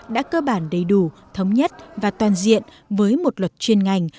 đã cơ bản đầy đủ thống nhất và toàn diện với một luật chuyên ngành